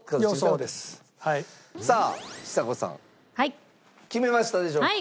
さあちさ子さん決めましたでしょうか？